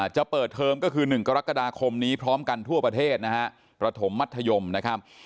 จะเปิดเทอมก็คือ๑กรกฎาคมนี้พร้อมกันทั่วประเทศนะฮะประถมมัธยมนะครับ